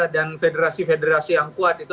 dan federasi federasi yang kuat itu